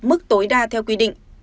mức tối đa theo quy định